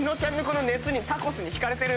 タコスに引かれてる。